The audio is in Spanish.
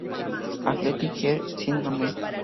Athletic Heart Syndrome.